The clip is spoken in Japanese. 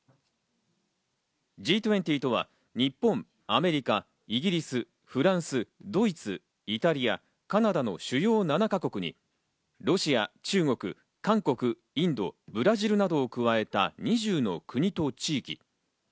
Ｇ２０とは日本、アメリカ、イギリス、フランス、ドイツ、イタリア、カナダ、ＥＵの主要７か国にインドやブラジルなどを加えた２０の地域。